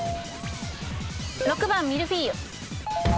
６番ミルフィーユ。